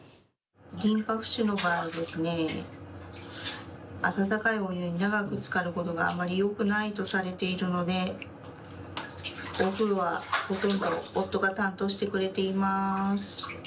リンパ浮腫の場合ですね、温かいお湯に長くつかることがあまりよくないとされているので、お風呂はほとんど夫が担当してくれています。